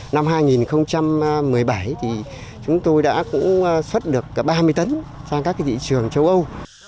năm hai nghìn một mươi bảy chúng tôi đã xuất được cả ba mươi tấn sang các thị trường châu âu